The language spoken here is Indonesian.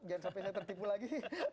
jangan sampai saya tertipu lagi